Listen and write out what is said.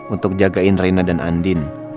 untuk jagain rena dan andin